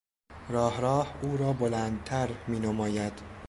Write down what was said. راه راه، او را بلندتر مینماید.